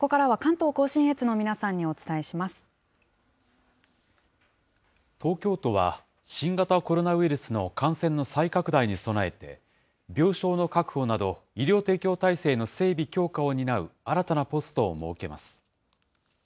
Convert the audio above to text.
東京都は、新型コロナウイルスの感染の再拡大に備えて、病床の確保など、医療提供体制の整備強化を担う新たなポストを設けます。